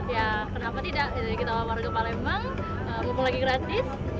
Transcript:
ya kenapa tidak jadi kita baru ke palembang mumpung lagi gratis